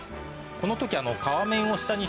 この時。